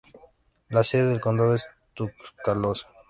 La sede del condado es Tuscaloosa.